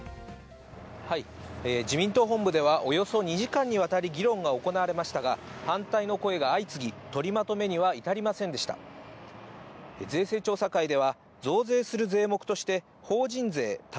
自民党本部では、およそ２時間にわたり、議論が行われましたが、反対の声が相次ぎ、取りまとめには至りませんでした。